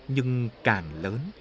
nhưng càng lớn